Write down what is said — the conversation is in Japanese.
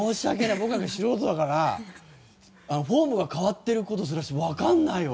僕なんか素人だからフォームが変わってる事すらわかんないわ。